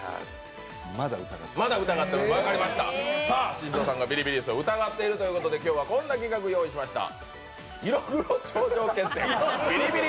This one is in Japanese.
宍戸さんがビリビリ椅子を疑っているということで、こんな企画を用意しました。